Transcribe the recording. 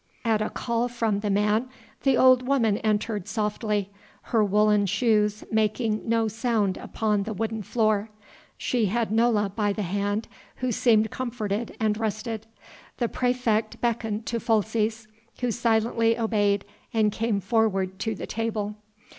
At a call from the man, the old woman entered softly, her woollen shoes making no sound upon the wooden floor. She had Nola by the hand who seemed comforted and rested. The praefect beckoned to Folces, who silently obeyed and came forward to the table.